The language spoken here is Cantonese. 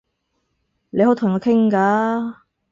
你可以同我傾㗎